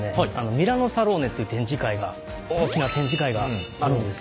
「ミラノサローネ」っていう展示会が大きな展示会があるんです。